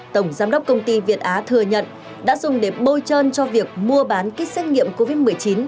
tổng giám đốc công ty việt á thừa nhận đã dùng để bôi trơn cho việc mua bán kích xét nghiệm covid một mươi chín